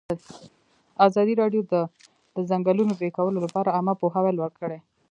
ازادي راډیو د د ځنګلونو پرېکول لپاره عامه پوهاوي لوړ کړی.